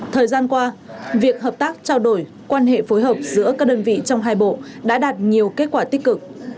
thời gian qua việc hợp tác trao đổi quan hệ phối hợp giữa các đơn vị trong hai bộ đã đạt nhiều kết quả tích cực